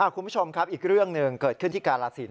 คุณผู้ชมครับอีกเรื่องหนึ่งเกิดขึ้นที่กาลสิน